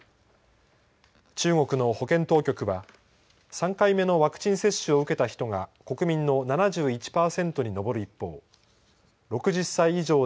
中国の保健当局は３回目のワクチン接種を受けた人が国民の７１％に上る一方